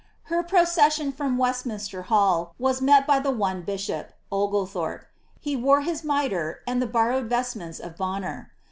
Her procession from Westminster Ilall was met by the one bishop, Oglethorpe. He wore his mitre and the borrowed vestments of Bonner.